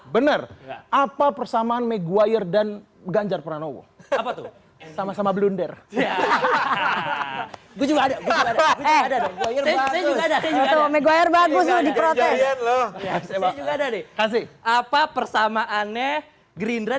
bener apa persamaan meguair dan ganjar pranowo sama sama blunder